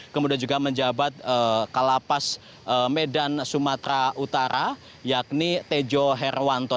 kemudian juga menjabat kalapas medan sumatera utara yakni tejo herwanto